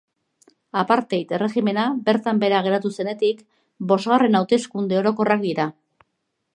Apartheid erregimena bertan behera geratu zenetik bosgarren hauteskunde orokorrak dira.